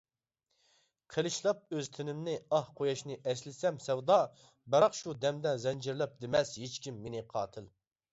قىلىچلاپ ئۆز تېنىمنى، ئاھ، قۇياشنى ئەيلىسەم سەۋدا، بىراق شۇ دەمدە زەنجىرلەپ دېمەس ھېچكىم مېنى قاتىل.